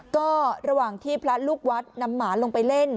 ก็ระหว่างที่พระลูกวัดนำหมาลงไปเล่น